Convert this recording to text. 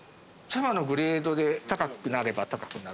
茶葉のグレードで高くなれば高くなるほど。